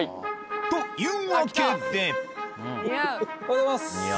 というわけでおはようございます。